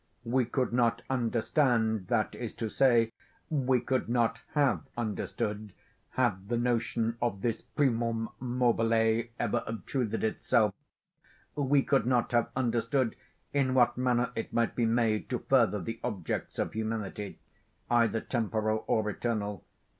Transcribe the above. We could not understand, that is to say, we could not have understood, had the notion of this primum mobile ever obtruded itself;—we could not have understood in what manner it might be made to further the objects of humanity, either temporal or eternal.